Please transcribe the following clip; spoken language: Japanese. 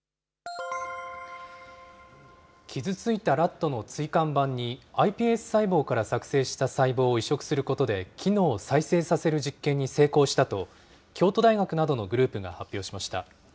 傷ついたラットの椎間板に、ｉＰＳ細胞から作製した細胞を移植することで機能を再生させる実験に成功したと、京都大学などのグループが発表しました。